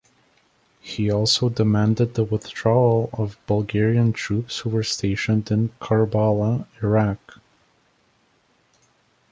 He also demanded the withdrawal of Bulgarian troops who were stationed in Karbala, Iraq.